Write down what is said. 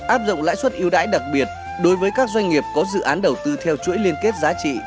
áp dụng lãi suất yêu đáy đặc biệt đối với các doanh nghiệp có dự án đầu tư theo chuỗi liên kết giá trị